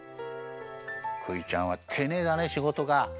クイちゃんはていねいだねしごとが。